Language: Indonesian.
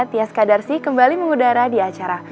tias kadarsi kembali mengudara di acara